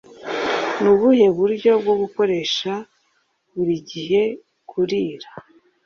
ni ubuhe buryo bwo gukoresha buri gihe kurira '